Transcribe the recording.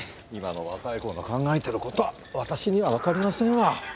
今の若い子の考えてることはわたしには分かりませんわ。